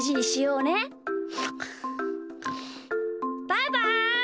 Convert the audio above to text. バイバイ！